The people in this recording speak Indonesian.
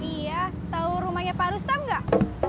iya tau rumahnya pak rustam gak